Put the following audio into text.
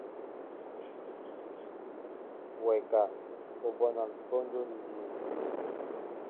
Wɛ ka, O bónan póndó ni jě?